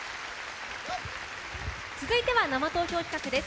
続いては生投票企画です。